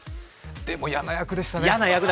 でも、嫌な役でしたね。